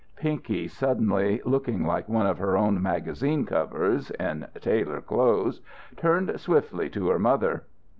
Pinky, suddenly looking like one of her own magazine covers (in tailor clothes), turned swiftly to her mother.